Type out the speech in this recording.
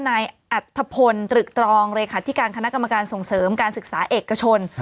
นายอัธพลตรึกตรองเลขาธิการคณะกรรมการส่งเสริมการศึกษาเอกชน